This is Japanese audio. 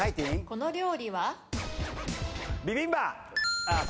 この料理は？